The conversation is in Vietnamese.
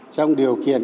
trong điều kiện